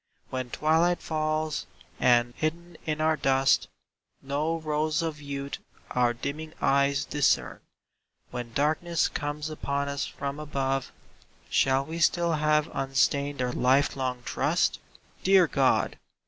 When twilight falls, and, hidden in our dust, No rose of youth our dimming eyes discern, When darkness comes upon us from above ; Shall we still have unstained our life long trust? Dear God!